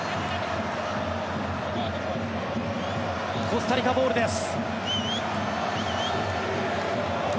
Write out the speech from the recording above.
コスタリカボールです。